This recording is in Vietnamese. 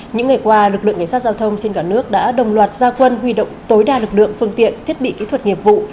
những ngày qua lực lượng cảnh sát giao thông trên cả nước đã đồng loạt gia quân huy động tối đa lực lượng phương tiện thiết bị kỹ thuật nghiệp vụ